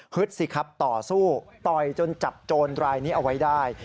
สิครับต่อสู้ต่อยจนจับโจรรายนี้เอาไว้ได้